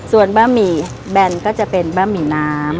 ส่วนบะหมี่แบนก็จะเป็นบะหมี่น้ำ